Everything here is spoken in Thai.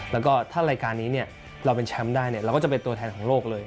แล้วก็ถ้ารายการนี้เราเป็นแชมป์ได้เราก็จะเป็นตัวแทนของโลกเลย